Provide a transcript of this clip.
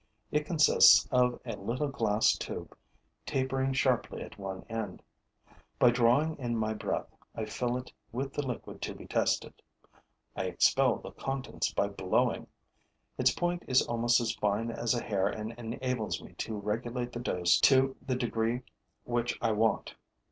It consists of a little glass tube, tapering sharply at one end. By drawing in my breath, I fill it with the liquid to be tested; I expel the contents by blowing. Its point is almost as fine as a hair and enables me to regulate the dose to the degree which I want.